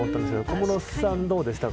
小室さん、どうでしたか。